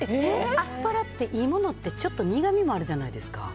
アスパラっていいものって苦味もあるじゃないですか。